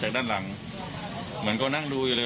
คุณตัวเราจะเดินหน้าถึงที่สุด